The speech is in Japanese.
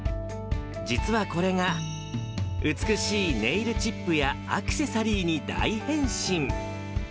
実はこれが、美しいネイルチップやアクセサリーに大変身。